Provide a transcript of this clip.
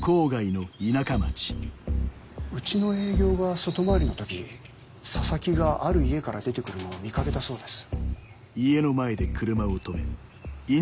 うちの営業が外回りの時佐々木がある家から出てくるのを見掛けたそうです。